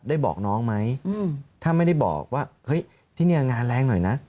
ได้บอกน้องไหมถ้าไม่ได้บอกว่าเฮ้ยที่นี่งานแรงหน่อยนะ